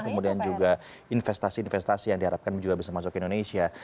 kemudian juga investasi investasi yang diharapkan juga bisa masuk ke indonesia